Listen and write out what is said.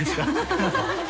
ハハハ